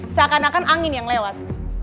seakan akan angin yang lewat